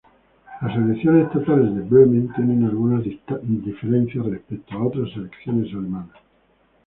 Las elecciones estatales de Bremen tienen algunas diferencias respecto a otras elecciones alemanas.